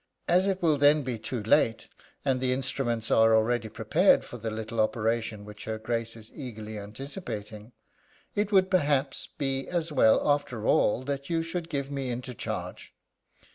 As it will then be too late, and the instruments are already prepared for the little operation which her Grace is eagerly anticipating, it would, perhaps, be as well, after all, that you should give me into charge.